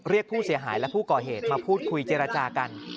เรียกผู้เสียหายและผู้ก่อเหตุมาพูดคุยเจรจากัน